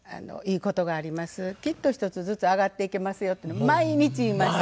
「きっと１つずつ上がっていけますよ」っていうの毎日言いました。